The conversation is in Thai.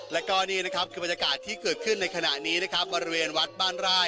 แล้วก็อันนี้นะครับทืบอสกาลที่เกิดขึ้นในขณะนี้นะครับ